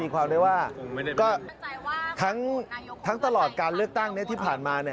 ก็ทั้งตลอดการเลือกตั้งที่ผ่านมา